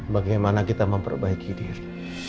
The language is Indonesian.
bagaimana kita memperbaiki diri